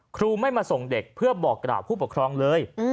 ครูไม่มาส่งเด็กเพื่อบอกกล่าวผู้ปกครองเลย